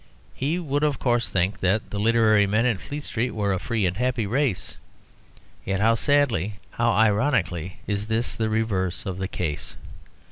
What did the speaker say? He would, of course, think that the literary men in Fleet Street were a free and happy race; yet how sadly, how ironically, is this the reverse of the case!